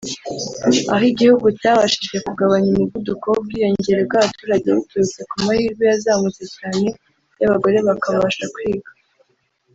aho igihugu cyabashije kugabanya umuvuduko w’ubwiyongere bw’abaturage biturutse ku mahirwe yazamutse cyane y’abagore bakabasha kwiga